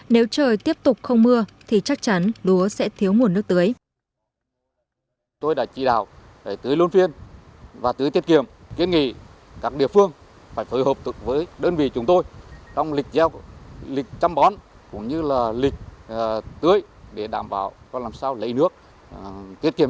nếu trời tiếp tục không mưa thì chắc chắn lúa sẽ thiếu nguồn nước tưới